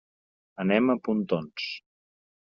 Anem a Pontons.